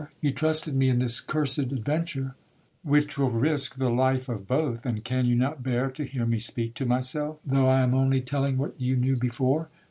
You trusted me in this cursed adventure, which will risk the life of both, and can you not bear to hear me speak to myself, though I am only telling what you knew before?'